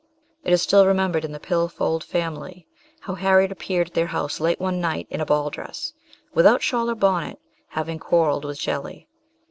It is still remem bered in the Pilfold family how Harriet appeared at their house late one night in a ball dress, without shawl or bonnet, having quarrelled with Shelley.